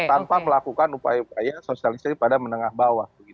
tanpa melakukan upaya upaya sosialisasi pada menengah bawah